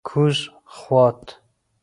کوز خوات: